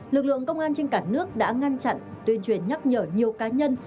lực lượng công an trên cả nước đã ngăn chặn tuyên truyền nhắc nhở nhiều cá nhân